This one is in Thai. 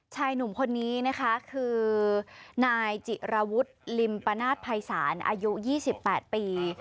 ชายหนุ่มคนนี้นะคะคือนายจิระวุฒิลิมปนาศภัยศาลอายุ๒๘ปี